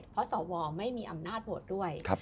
เพราะสวไม่มีอำนาจโหวตด้วย